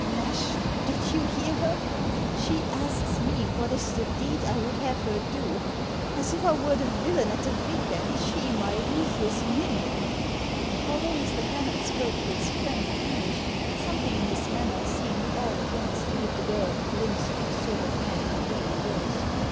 * Nash, did you hear her? She asks me what is the deed I would have her do, as if I were the villain at the Vic and she my ruthless minion." Although Mr. Kennard spoke to his friend in English, something in his manner seemed all at once to give the girl a glimpse at the sort of man he really was.